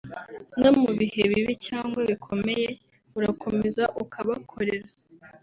no mu bihe bibi cyangwa bikomeye urakomeza ukabakorera